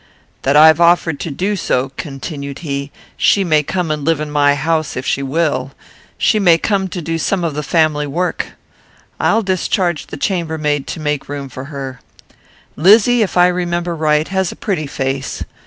"That I've offered to do," continued he. "She may come and live in my house, if she will. She may do some of the family work. I'll discharge the chambermaid to make room for her. Lizzy, if I remember right, has a pretty face.